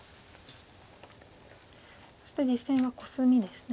そして実戦はコスミですね。